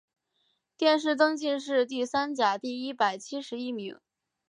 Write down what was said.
殿试登进士第三甲第一百七十一名。